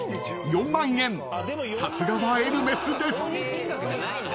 ［さすがはエルメスです］